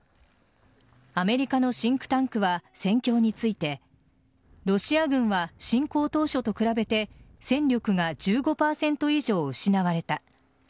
アメリカのシンクタンクは戦況についてロシア軍は侵攻当初と比べて戦力が１５％以上失われた。